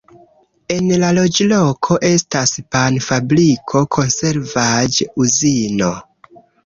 En la loĝloko estas pan-fabriko, konservaĵ-uzino.